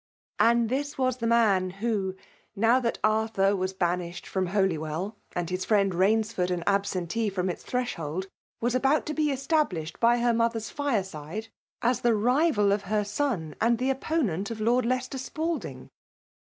And this was the man who, now that Arthur was banished from Holywell, and his friend Bainsford an absentee from its threshold, wdir abaul to be established by her mother*s fire f3 106 FEMALE DOMIDATIOK. side, «M the rival of her son, and tha opponeat of Lord Leicester Spalding!